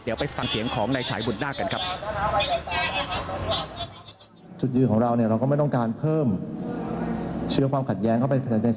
เดี๋ยวไปฟังเสียงของนายฉายบุตรนาคกันครับ